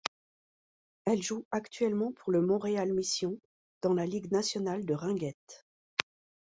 Elle joue actuellement pour le Montréal Mission dans la Ligue Nationale de Ringuette.